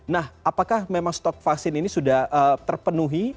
nah apakah memang stok vaksin ini sudah terpenuhi